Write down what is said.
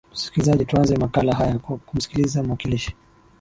msikilizaji tuanze makala haya kwa kumsikiliza mwakilishi